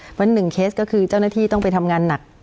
เพราะหนึ่งเคสก็คือเจ้าหน้าที่ต้องไปทำงานหนัก